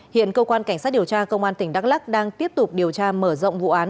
hiện cơ quan cảnh sát điều tra công an tỉnh đắk lắc đang tiếp tục điều tra mở rộng vụ án